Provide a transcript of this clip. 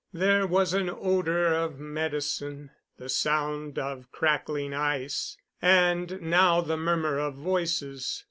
There was an odor of medicine, the sound of crackling ice, and now the murmur of voices.